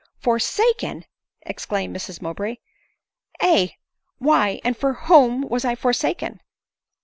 " Forsaken !" exclaimed Mrs Mowbray ;" aye ; why, and for whom, was I forsaken